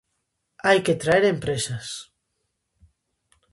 Hai que traer empresas.